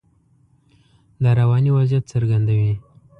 دا رواني وضعیت څرګندوي.